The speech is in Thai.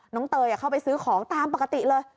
เตยเข้าไปซื้อของตามปกติเลย